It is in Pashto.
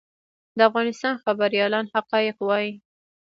د افغانستان خبریالان حقایق وايي